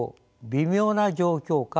微妙な状況下